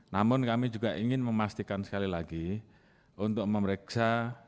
namun kami juga ingin memastikan sekali lagi untuk memeriksa